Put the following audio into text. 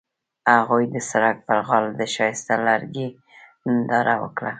هغوی د سړک پر غاړه د ښایسته لرګی ننداره وکړه.